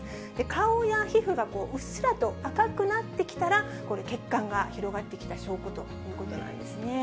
顔や皮膚がうっすらと赤くなってきたら、血管が広がってきた証拠ということなんですね。